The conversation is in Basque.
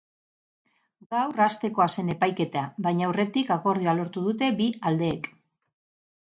Gaur hastekoa zen epaiketa, baina aurretik akordioa lortu dute bi aldeek.